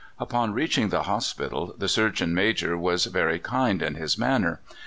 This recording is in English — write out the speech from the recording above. Upon reaching the hospital, the Surgeon Major was very kind in his manner.